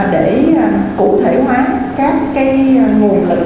để cụ thể hóa các nguồn lực